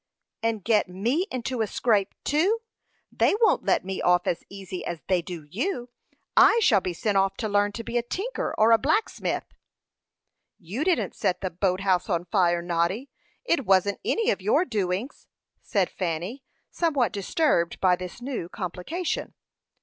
"And get me into a scrape too! They won't let me off as easy as they do you. I shall be sent off to learn to be a tinker, or a blacksmith." "You didn't set the boat house on fire, Noddy. It wasn't any of your doings," said Fanny, somewhat disturbed by this new complication.